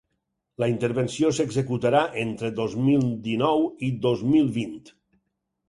La intervenció s’executarà entre dos mil dinou i dos mil vint.